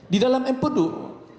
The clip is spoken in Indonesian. di dalam empeduk